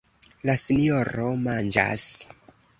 La sinjoro manĝas.